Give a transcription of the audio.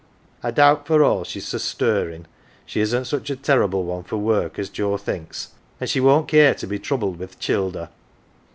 I doubt for all she's so stirrin', she isn't such a terrible one for work as Joe thinks, an 1 she won't care to be troubled \vi' th' childer."